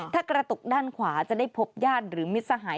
ถ้ากระตุกด้านขวาจะได้พบญาติหรือมิตรสหาย